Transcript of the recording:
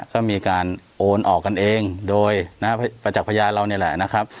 ก็มีการโอนออกกันเองโดยนะฮะจากพญาติเราเนี้ยแหละนะครับ